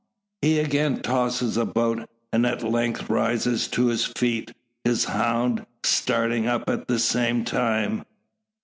He again tosses about; and at length rises to his feet, his hound starting up at the same time.